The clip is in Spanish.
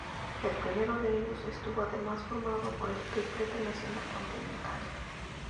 El primero de ellos estuvo además formado por el triplete nacional-continental.